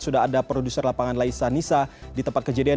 sudah ada produser lapangan laisa nisa di tempat kejadian